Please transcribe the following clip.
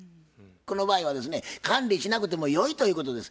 この場合はですね管理しなくてもよいということです。